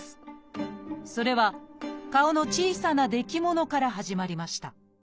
それは顔の小さなできものから始まりました